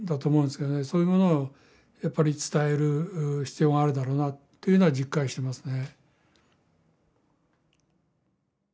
そういうものをやっぱり伝える必要があるだろうなというのは実感してますね。